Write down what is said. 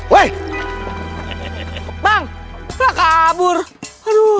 hai bang kakabur aduh